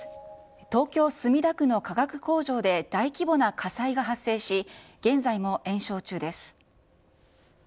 東京・墨田区の化学工場で大規模な火災が発生し、現在も延焼中です。